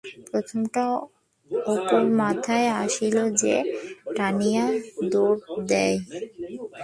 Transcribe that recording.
প্রথমটা অপুর মাথায় আসিল যে টানিয়া দৌড় দেয়।